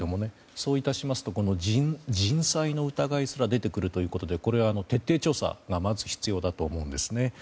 そういたしますと人災の疑いすら出てくるということでまず、これは徹底調査が必要だと思います。